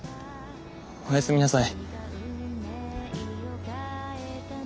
おやすみなさい。